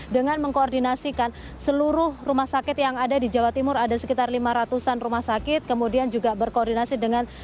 dengan mengkoordinasikan seluruh rumah sakit yang ada di jawa timur ada sekitar lima ratus an rumah sakit kemudian juga berkoordinasi dengan